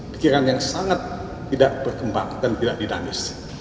pikiran yang sangat tidak berkembang dan tidak dinamis